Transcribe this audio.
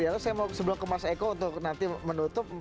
saya mau sebelah ke mas eko untuk nanti menutup